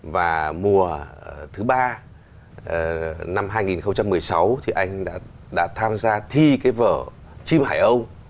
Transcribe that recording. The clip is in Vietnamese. và mùa thứ ba năm hai nghìn một mươi sáu thì anh đã tham gia thi cái vở chim hải âu